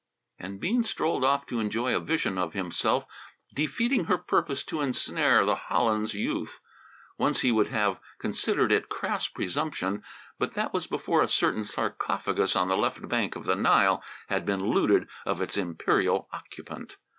And Bean strolled off to enjoy a vision of himself defeating her purpose to ensnare the Hollins youth. Once he would have considered it crass presumption, but that was before a certain sarcophagus on the left bank of the Nile had been looted of its imperial occupant.